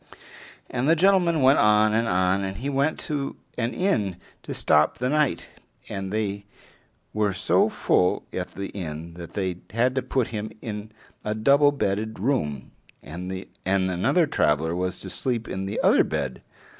And the gentleman went on and on, and he went to an inn to stop the night, and they were so full at the inn that they had to put him in a double bedded room, and another traveler was to sleep in the other bed.